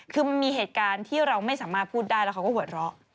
คือมันมีเหตุการณ์ที่เราไม่สามารถพูดได้แล้วเขาก็หัวเราะ